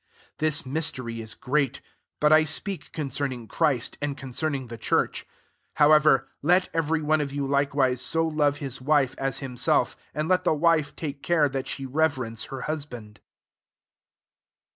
32 This mystery is great; but I speak concerning Christ, and concerning the church. 33 However, let every one of yon likewise so love his wife as iiimself ; and let the wife take care that she reverence her husband.